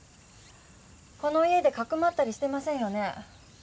この家でかくまったりしてませんよね？